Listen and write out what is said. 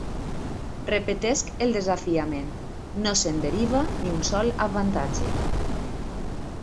Repetesc el desafiament; no se'n deriva ni un sol avantatge.